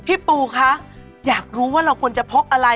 พี่ปูคะอยากรู้ว่าเราควรจะพกอะไร